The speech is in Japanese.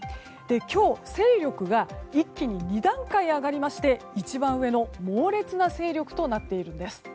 今日、勢力が一気に２段階上がりまして一番上の猛烈な勢力となっているんです。